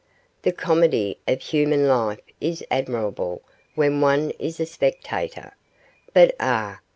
The comedy of human life is admirable when one is a spectator; but ah!